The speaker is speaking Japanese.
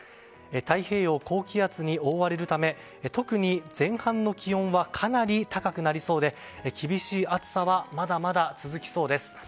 太平洋は高気圧に覆われるため特に前半の気温はかなり高くなりそうで厳しい暑さはまだまだ続きそうです。